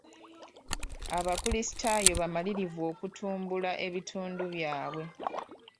Abakrisitaayo bamalirivu okutumbula ebitundu byabwe.